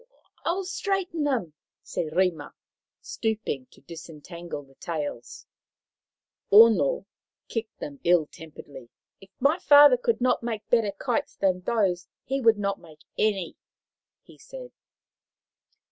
" I will straighten them," said Rima, stooping to disentangle the tails. Ono kicked them ill temperedly. " If my 225 226 Maoriland Fairy Tales father could not make better kites than those he would not make any," he said.